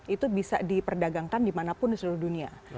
itu bisa diperdagangkan dimanapun di seluruh dunia